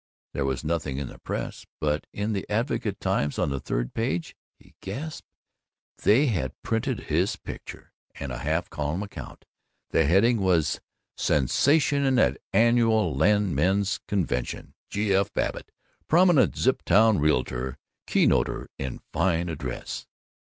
There was nothing in the Press, but in the Advocate Times, on the third page He gasped. They had printed his picture and a half column account. The heading was "Sensation at Annual Land men's Convention. G. F. Babbitt, Prominent Ziptown Realtor, Keynoter in Fine Address."